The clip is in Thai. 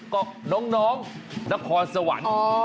ก็น้องนครสวรรค์